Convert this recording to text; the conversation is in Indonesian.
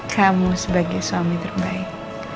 kamu sebagai suami terbaik